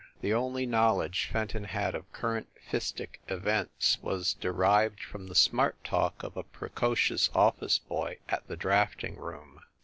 The only knowledge Fenton had of current fistic events was derived from the smart talk of a precocious office boy at the drafting room.